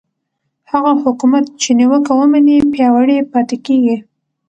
هغه حکومت چې نیوکه ومني پیاوړی پاتې کېږي